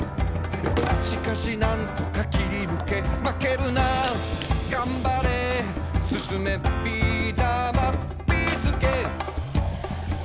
「しかし何とか切りぬけ」「まけるながんばれ」「進め！ビーだまビーすけ」